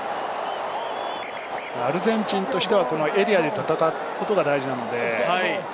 アルゼンチンとしてはエリアで戦うことが大事なので。